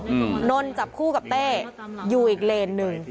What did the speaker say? อืมนนจับคู่กับเต้อยู่อีกเลนหนึ่ง